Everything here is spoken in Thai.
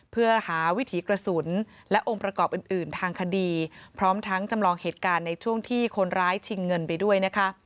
เพื่อหาวิถีกระสุนและองค์ประกอบอื่นทางคดีพร้อมทั้งจำลองเหตุการณ์ในช่วงที่คนร้ายชิงเงินไปด้วยนะคะ